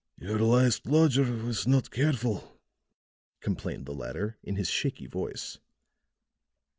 "Your last lodger was not careful," complained the latter in his shaky voice.